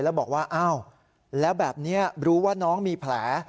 แล้วบอกว่าอ้าวแล้วแบบนี้รู้ว่าน้องมีแผล